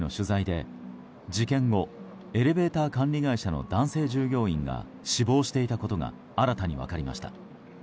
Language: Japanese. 捜査関係者への取材で事件後、エレベーター管理会社の男性従業員が死亡していたことが新たに分かりました。